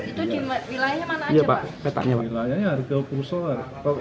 itu di wilayah mana aja pak